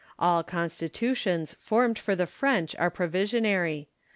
All Constitutions formed for the French are provisionary.